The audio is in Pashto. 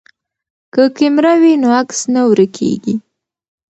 که کیمره وي نو عکس نه ورکیږي.